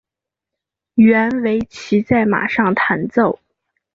原为骑在马上弹奏。